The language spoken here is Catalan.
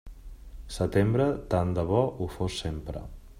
Setembre, tant de bo ho fos sempre.